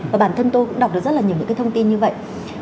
và bản thân tôi cũng đọc được rất là nhiều những cái thông tin như vậy